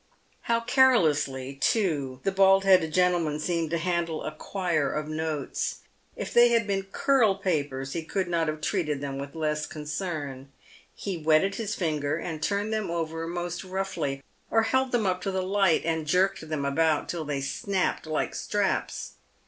How carelessly, too, the bald headed gentleman seemed to handle a quire of notes. If they had been curl papers he could not have treated them with less concern. He wetted his finger, and turned them over most roughly, or held them up to the light, and jerked them about till they snapped like straps.